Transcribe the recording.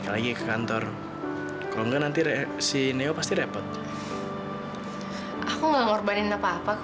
sepatikan untuk done indonesia